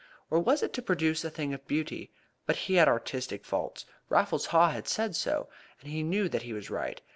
Or was it to produce a thing of beauty? But he had artistic faults. Raffles Haw had said so, and he knew that he was right.